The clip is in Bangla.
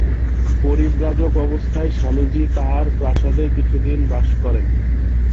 পরিব্রাজক অবস্থায় স্বামীজী তাঁহার প্রাসাদে কিছুদিন বাস করেন।